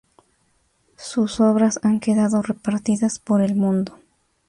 Sus obras han quedado repartidas por el mundo.